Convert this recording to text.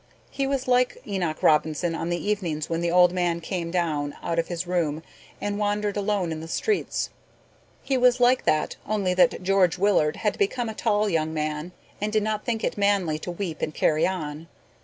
He was like Enoch Robinson on the evenings when the old man came down out of his room and wandered alone in the streets. He was like that only that George Willard had become a tall young man and did not think it manly to weep and carry on.